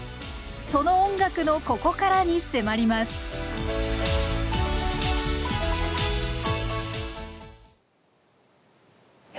その音楽のここからに迫りますいや